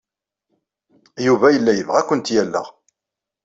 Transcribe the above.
Yuba yella yebɣa ad kent-alleɣ.